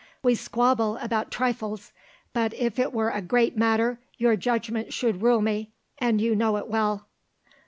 We squabble about trifles, but if it were a great matter, your judgment should rule me, and you know it well."